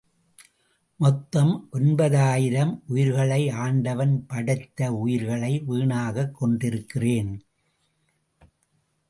மொத்தம் ஒன்பதாயிரம் உயிர்களை ஆண்டவன் படைத்த உயிர்களை, வீணாகக் கொன்றிருக்கிறேன்.